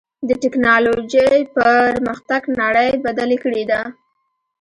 د ټکنالوجۍ پرمختګ نړۍ بدلې کړې ده.